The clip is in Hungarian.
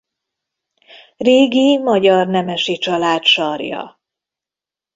Régi magyar nemesi család sarja.